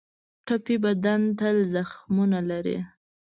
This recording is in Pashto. ټپي بدن تل زخمونه لري.